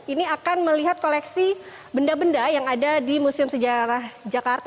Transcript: ini akan melihat koleksi benda benda yang ada di museum sejarah jakarta